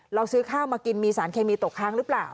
เราซื้อข้าวมากินมีสารเคมีตกค้างหรือเปล่า